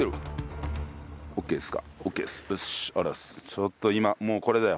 ちょっと今もうこれだよ。